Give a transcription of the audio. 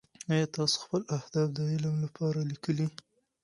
ایا تاسو خپل اهداف د عمل لپاره لیکلي؟